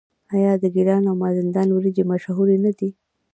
آیا د ګیلان او مازندران وریجې مشهورې نه دي؟